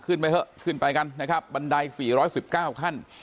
ขึ้นไปเถอะขึ้นไปกันนะครับบันไดสี่ร้อยสิบเก้าขั้น